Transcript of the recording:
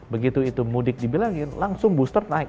begitu itu mudik dibilangin langsung booster naik